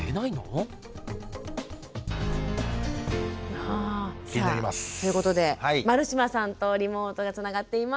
さあということで丸島さんとリモートでつながっています。